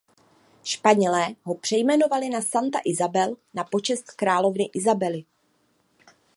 Španělé ho přejmenovali na "Santa Isabel" na počest královny Isabely.